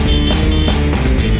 udah bocan mbak